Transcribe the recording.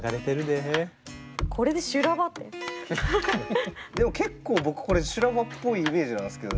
でも結構僕これ修羅場っぽいイメージなんですけどね